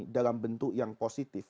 dalam bentuk yang positif